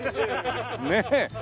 ねえ。